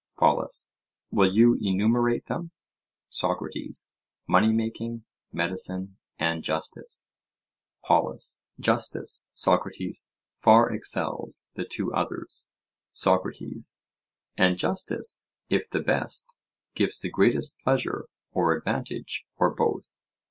POLUS: Will you enumerate them? SOCRATES: Money making, medicine, and justice. POLUS: Justice, Socrates, far excels the two others. SOCRATES: And justice, if the best, gives the greatest pleasure or advantage or both?